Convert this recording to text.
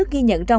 bến tre bảy